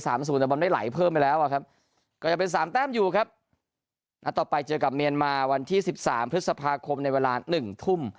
แต่ว่าไม่ไหลเพิ่มไปแล้วครับก็จะเป็น๓แป้มอยู่ครับต่อไปเจอกับเมียนมาวันที่๑๓พฤษภาคมในเวลา๑ทุ่ม